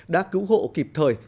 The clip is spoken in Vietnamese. đã cứu hộ kịp thời